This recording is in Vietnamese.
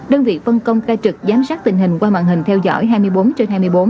đơn vị phân công khai trực giám sát tình hình qua mạng hình theo dõi hai mươi bốn trên hai mươi bốn